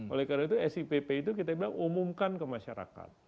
oleh karena itu sipp itu kita bilang umumkan ke masyarakat